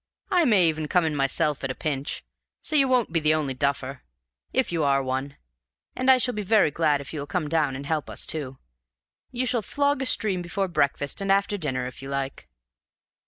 I may even come in myself at a pinch; so you won't be the only duffer, if you are one, and I shall be very glad if you will come down and help us too. You shall flog a stream before breakfast and after dinner, if you like."